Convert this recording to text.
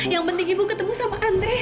ibu ingin ketemu sama andre